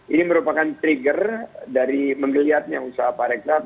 ini merupakan trigger dari menggeliatnya usaha parekraf